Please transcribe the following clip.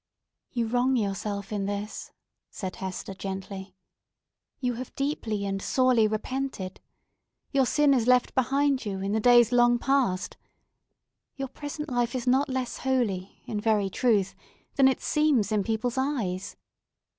"You wrong yourself in this," said Hester gently. "You have deeply and sorely repented. Your sin is left behind you in the days long past. Your present life is not less holy, in very truth, than it seems in people's eyes.